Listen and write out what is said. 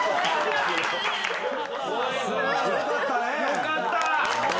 ・よかった！